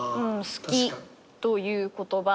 「好き」という言葉。